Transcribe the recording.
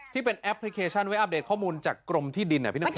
ที่เป็นแอปพลิเคชันว่าอัปเดตข้อมูลจากกรมที่ดินอ่ะพี่น้ำแขก